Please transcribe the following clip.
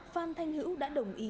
phan thanh hữu đã đồng ý